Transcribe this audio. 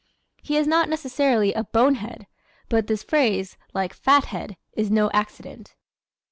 He is not necessarily a "bonehead," but this phrase, like "fathead," is no accident.